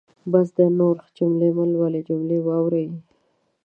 بس دی نورې جملې مهلولئ جملې واورئ.